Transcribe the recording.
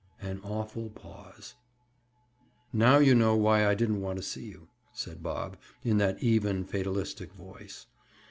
An awful pause. "Now you know why I didn't want to see you," said Bob, in that even fatalistic voice.